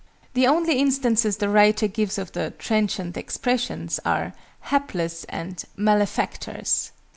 The only instances the writer gives of the "trenchant expressions" are "hapless" and "malefactors."